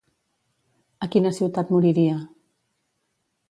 A quina ciutat moriria?